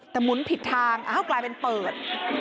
แต่หมุนผิดทางอ้าวกลายเป็นเปิด